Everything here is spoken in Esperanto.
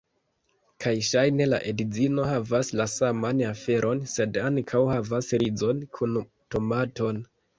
Kaj ŝajne la edzino havas la saman aferon, sed ankaŭ havas rizon kun tomaton.